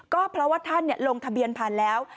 ก็เพราะว่าท่านลงทะเบียนผ่านแล้ว